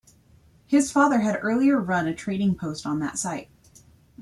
His father had earlier run a trading post on that site.